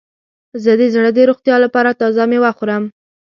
زه د زړه د روغتیا لپاره تازه میوه خورم.